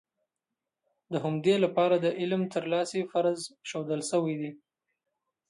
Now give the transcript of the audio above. د همدې لپاره د علم ترلاسی فرض ښودل شوی دی.